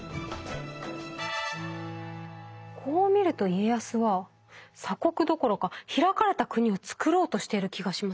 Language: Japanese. こう見ると家康は鎖国どころか開かれた国をつくろうとしている気がしますね。